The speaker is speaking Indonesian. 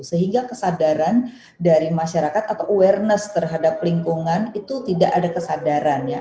sehingga kesadaran dari masyarakat atau awareness terhadap lingkungan itu tidak ada kesadaran ya